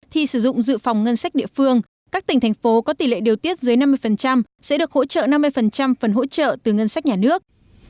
thì sử dụng dự phòng ngân sách địa phương các tỉnh thành phố có tỷ lệ điều tiết dưới năm mươi sẽ được hỗ trợ năm mươi phần hỗ trợ từ ngân sách nhà nước